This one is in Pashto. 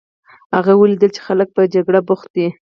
هغه ولیدل چې خلک په جګړه بوخت دي.